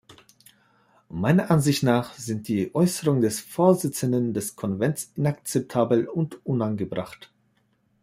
Meiner Ansicht nach sind die Äußerungen des Vorsitzenden des Konvents inakzeptabel und unangebracht.